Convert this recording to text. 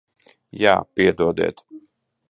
Jā. Piedodiet.